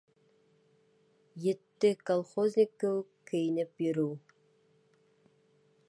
Етте колхозник кеүек кейенеп йөрөү.